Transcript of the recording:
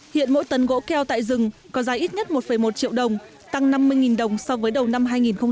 hiện mỗi tấn gỗ keo tại rừng có giá ít nhất một một triệu đồng tăng năm mươi đồng so với đầu năm hai nghìn một mươi tám